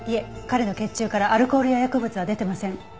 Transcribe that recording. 彼の血中からアルコールや薬物は出てません。